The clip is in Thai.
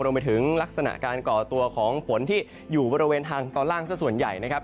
รวมไปถึงลักษณะการก่อตัวของฝนที่อยู่บริเวณทางตอนล่างสักส่วนใหญ่นะครับ